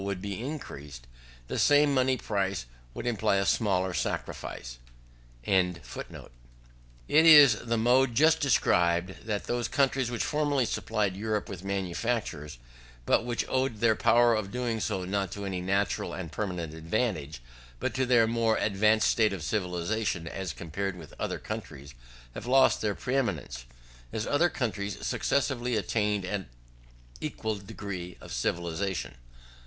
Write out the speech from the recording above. In either case, her trade resumes its course, but with diminished advantage on her side. It is in the mode just described, that those countries which formerly supplied Europe with manufactures, but which owed their power of doing so not to any natural and permanent advantages, but to their more advanced state of civilization as compared with other countries, have lost their pre eminence as other countries successively attained an equal degree of civilization.